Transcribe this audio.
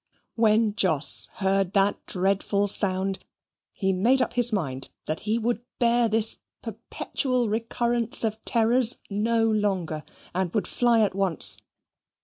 When Jos heard that dreadful sound, he made up his mind that he would bear this perpetual recurrence of terrors no longer, and would fly at once.